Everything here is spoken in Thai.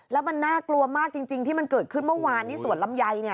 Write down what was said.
แล้วมันน่ากลัวมากจริงที่มันเกิดขึ้นเมื่อวานที่สวนลำไย